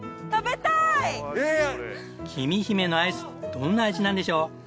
きみひめのアイスどんな味なんでしょう？